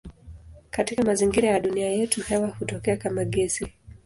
Katika mazingira ya dunia yetu hewa hutokea kama gesi.